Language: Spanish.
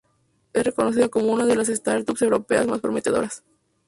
Es reconocida como una de las startups europeas más prometedoras.